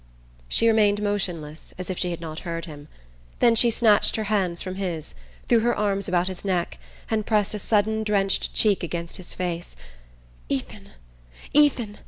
She remained motionless, as if she had not heard him. Then she snatched her hands from his, threw her arms about his neck, and pressed a sudden drenched cheek against his face. "Ethan! Ethan!